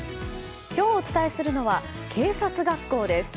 今日お伝えするのは警察学校です。